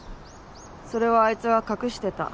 それをあいつは隠してた。